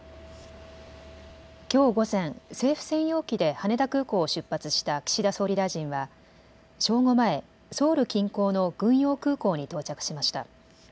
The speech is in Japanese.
きょう午前、政府専用機で羽田空港を出発した岸田総理大臣は正午前、ソウル近郊の軍用空港に到着しました。